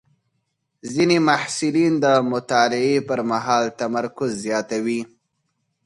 ځینې محصلین د مطالعې پر مهال تمرکز زیاتوي.